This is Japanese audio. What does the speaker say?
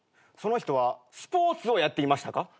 その人はスポーツをやっていましたか？